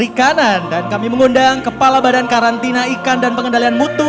kami mengundang kementerian perikanan dan kami mengundang kepala badan karantina ikan dan pengendalian mutu